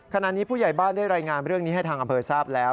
ขณะนี้ผู้ใหญ่บ้านได้รายงานเรื่องนี้ให้ทางอำเภอทราบแล้ว